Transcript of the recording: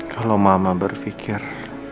kalau mama berpikir